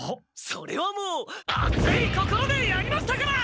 それはもう熱い心でやりましたから！